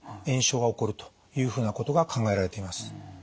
炎症が起こるというふうなことが考えられています。